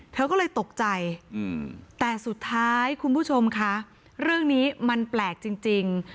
เธอก็เลยตกใจแต่สุดท้ายคุณผู้ชมคะเรื่องนี้มันแปลกจริง